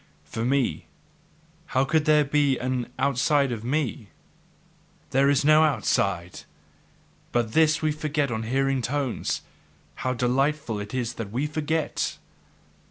For me how could there be an outside of me? There is no outside! But this we forget on hearing tones; how delightful it is that we forget!